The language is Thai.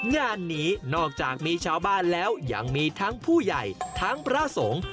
งานนี้นอกจากมีชาวบ้านแล้วยังมีทั้งผู้ใหญ่ทั้งพระสงฆ์